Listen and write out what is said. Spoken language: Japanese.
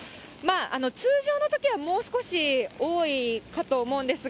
通常のときはもう少し多いかと思うんですが、